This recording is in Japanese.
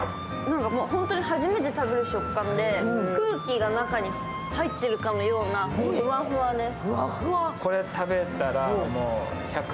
本当に初めて食べる食感で、空気が中に入ってるかのような、フワフワです。